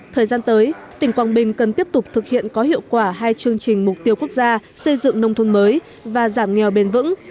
thời gian tới tỉnh quảng bình cần tiếp tục thực hiện có hiệu quả hai chương trình mục tiêu quốc gia xây dựng nông thôn mới và giảm nghèo bền vững